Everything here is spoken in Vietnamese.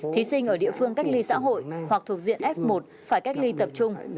thí sinh ở địa phương cách ly xã hội hoặc thuộc diện f một phải cách ly tập trung